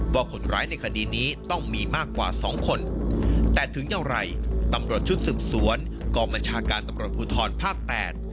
ว่าคนร้ายในคดีนี้ต้องมีมากกว่าสองคนแต่ถึงอย่างไรตำรวจชุดสืบสวนกองบัญชาการตำรวจภูทรภาคแปด